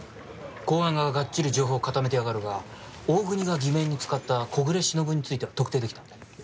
公安ががっちり情報を固めてやがるが大國が偽名に使った小暮しのぶについては特定できた。